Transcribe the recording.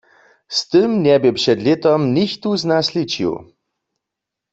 Z tym njebě před lětom nichtó z nas ličił.